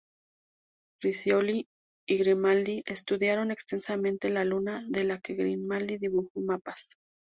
Riccioli y Grimaldi estudiaron extensamente la luna, de la que Grimaldi dibujó mapas.